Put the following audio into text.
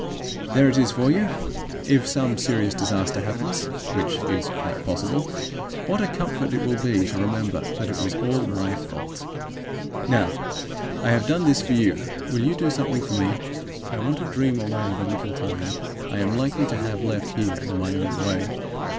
"There it is for you! If some serious disaster happens (which is quite possible), what a comfort it will be to remember that it was all my fault! "Now I have done this for you, will you do something for me. I want to dream away the little time I am likely to have left here in my own way.